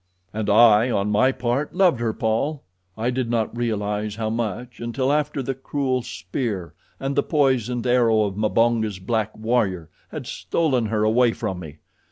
"And I, on my part, loved her, Paul. I did not realize how much until after the cruel spear and the poisoned arrow of Mbonga's black warrior had stolen her away from me.